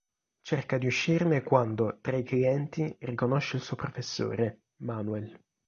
Cerca di uscirne quando, tra i clienti, riconosce il suo professore, "Manuel".